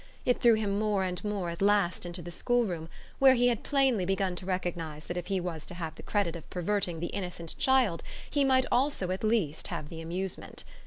It threw him more and more at last into the schoolroom, where he had plainly begun to recognise that if he was to have the credit of perverting the innocent child he might also at least have the amusement.